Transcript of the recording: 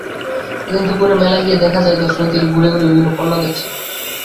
এদিন দুপুরে মেলায় গিয়ে দেখা যায়, দর্শনার্থীরা ঘুরে ঘুরে বিভিন্ন পণ্য দেখছেন।